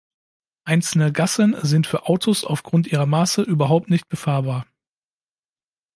Einzelne Gassen sind für Autos aufgrund ihrer Maße überhaupt nicht befahrbar.